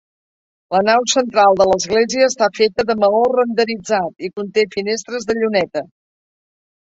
La nau central de l'església està feta de maó renderitzat i conté finestres de lluneta.